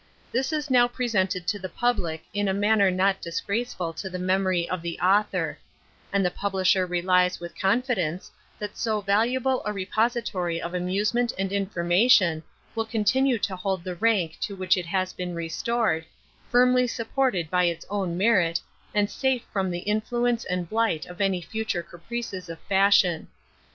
This is now presented to the public in a manner not disgraceful to the memory of the author; and the publisher relies with confidence, that so valuable a repository of amusement and information will continue to hold the rank to which it has been restored, firmly supported by its own merit, and safe from the influence and blight of any future caprices of fashion.